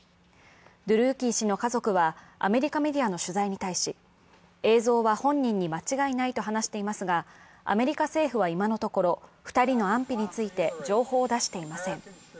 ドゥルーキー氏の家族はアメリカメディアの取材に対し映像は本人に間違いないと話していますがアメリカ政府は今のところ２人の安否についていて情報を出していません。